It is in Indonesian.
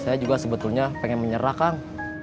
saya juga sebetulnya pengen menyerah kang